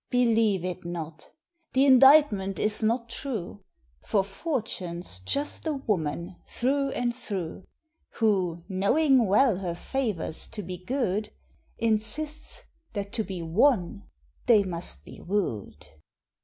Believe it not! Th indictment is not true, For Fortune s just a woman thro and thro , Who, knowing well her favors to be good, Insists that to be won they must be wooed.